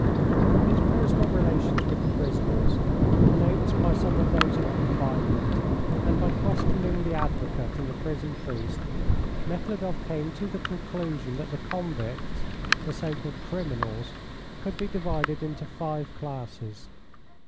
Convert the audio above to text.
From his personal relations with the prisoners, from notes by some of those in confinement, and by questioning the advocate and the prison priest, Nekhludoff came to the conclusion that the convicts, the so called criminals, could be divided into five classes.